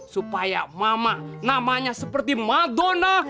supaya mama namanya seperti madona